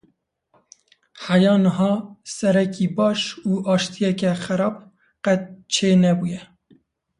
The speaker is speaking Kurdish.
Heya niha şerekî baş û aştiyeke xerab qet çê nebûye.